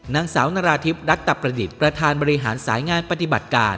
นางสาวนาราธิบรักตะประดิษฐ์ประธานบริหารสายงานปฏิบัติการ